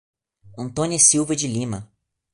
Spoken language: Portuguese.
Antônia Silva de Lima